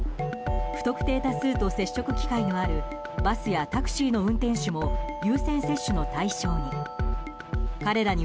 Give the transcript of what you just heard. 不特定多数と接触機会のあるバスやタクシーの運転手も優先接種の対象に。